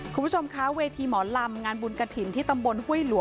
คุณผู้ชมคะเวทีหมอลำงานบุญกระถิ่นที่ตำบลห้วยหลัว